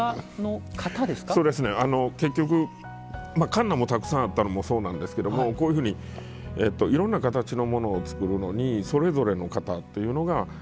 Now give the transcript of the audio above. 結局かんなもたくさんあったのもそうなんですけどもこういうふうにいろんな形のものを作るのにそれぞれの型というのがたくさん。